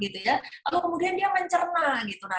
lalu kemudian dia mencerna